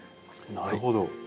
なるほど。